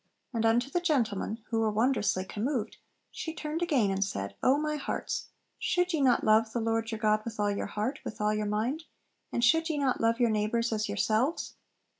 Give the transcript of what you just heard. And unto the gentlemen, who were wondrously commoved, she turned again and said, "O, my hearts, should ye not love the Lord your God with all your heart, with all your mind? and should ye not love your neighbours as yourselves?"